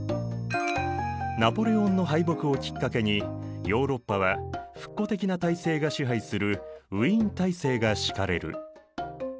ナポレオンの敗北をきっかけにヨーロッパは復古的な体制が支配するウィーン体制が敷かれる。